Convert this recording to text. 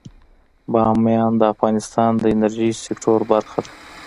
بامیان د افغانستان د انرژۍ سکتور برخه ده.